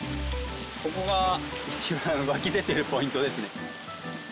ここが一番湧き出てるポイントですね。